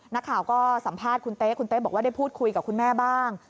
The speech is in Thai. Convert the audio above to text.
นักข่าวก็สัมภาษณ์คุณเต๊ะคุณเต๊ะบอกว่าได้พูดคุยกับคุณแม่บ้าง